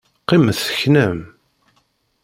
Qqimet teknam!